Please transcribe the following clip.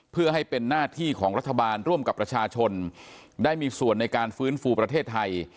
เพื่อให้เป็นหน้าที่ของรัฐบาลร่วมกับประชาชนได้มีส่วนในการฟื้นฟูประเทศไทย